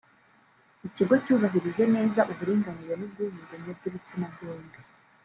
ikigo cyubahirije neza uburinganire n’ubwuzuzanye bw’ibitsina byombi